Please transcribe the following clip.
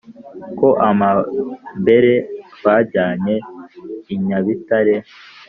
ko amambere twajyanye i nyabitare,